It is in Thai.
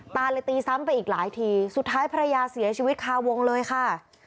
เลยตีซ้ำไปอีกหลายทีสุดท้ายภรรยาเสียชีวิตคาวงเลยค่ะ